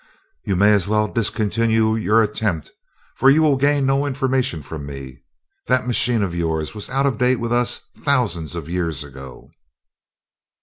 "You may as well discontinue your attempt, for you will gain no information from me. That machine of yours was out of date with us thousands of years ago."